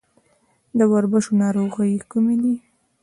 د وربشو ناروغۍ کومې دي؟